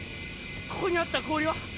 ここにあった氷は？